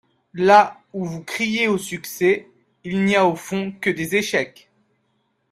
Là où vous criez au succès il n’y a au fond que des échecs.